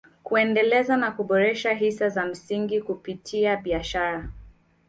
Kuendeleza na kuboresha hisa za msingi kupitia biashara